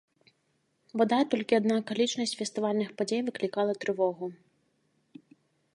Бадай толькі адна акалічнасць фестывальных падзей выклікала трывогу.